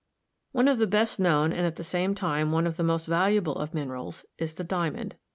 One of the best known and at the same time one of the most valuable of minerals is the diamond.